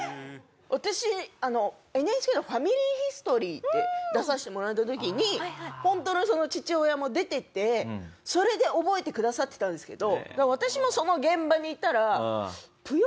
私ＮＨＫの『ファミリーヒストリー』って出させてもらった時にホントの父親も出ててそれで覚えてくださってたんですけど。